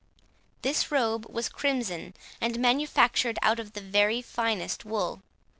This robe was crimson, and manufactured out of the very finest wool.